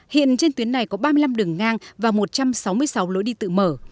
hiện trên tuyến này có ba mươi năm đường ngang và một trăm sáu mươi sáu lối đi tự mở